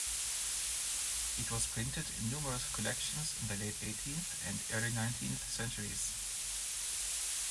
It was printed in numerous collections in the late eighteenth and early nineteenth centuries.